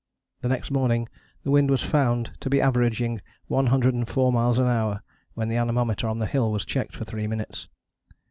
The next morning the wind was found to be averaging 104 miles an hour when the anemometer on the hill was checked for three minutes.